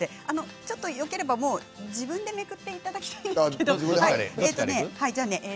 ちょっとよければ自分でめくっていただきたいんですけれど。